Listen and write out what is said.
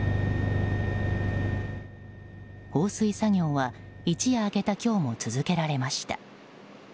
放水作業は一夜明けた今日も続けられました。